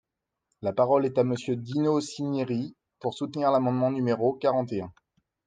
La parole est à Monsieur Dino Cinieri, pour soutenir l’amendement numéro quarante et un.